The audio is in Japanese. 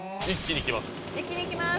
一気にいきます。